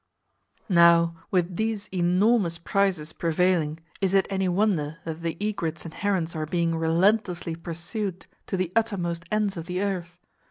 Now with these enormous prices prevailing, is it any wonder that the egrets and herons are being relentlessly pursued to the uttermost ends of the earth?